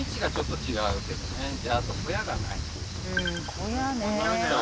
小屋ね。